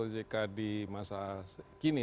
ojk di masa kini